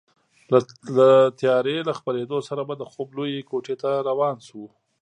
د تیارې له خپرېدو سره به د خوب لویې کوټې ته روان شوو.